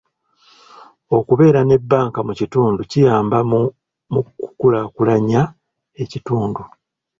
Okubeera ne banka mu kitundu kiyamba mu kukulaakulanya ekitundu.